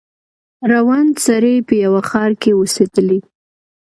ړوند سړی په یوه ښار کي اوسېدلی